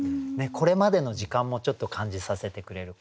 これまでの時間もちょっと感じさせてくれる。